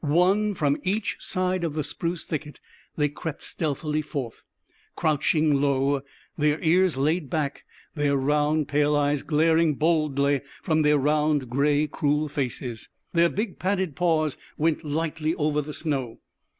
One from each side of the spruce thicket, they crept stealthily forth, crouching low, their ears laid back, their round, pale eyes glaring boldly from their round, gray, cruel faces. Their big padded paws went lightly over the snow.